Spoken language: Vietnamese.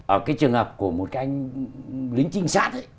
ở cái trường hợp của một cái anh lính trinh sát ấy